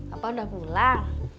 apa udah pulang